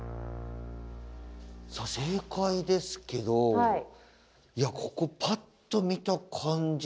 さあ正解ですけどいやここパッと見た感じ。